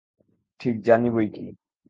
ঠিক জানি বৈকি।